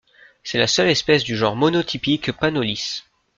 C'est la seule espèce du genre monotypique Panolis.